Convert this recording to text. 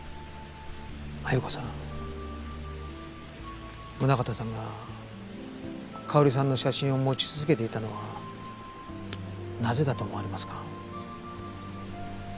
鮎子さん宗形さんが佳保里さんの写真を持ち続けていたのはなぜだと思われますか？